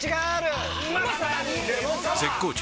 絶好調！！